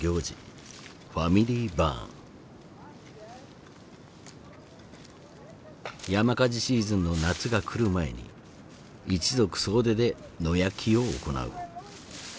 ＦａｍｉｌｙＢｕｒｎ。山火事シーズンの夏が来る前に一族総出で野焼きを行う。